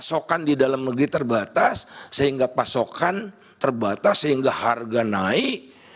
pasokan di dalam negeri terbatas sehingga pasokan terbatas sehingga harga naik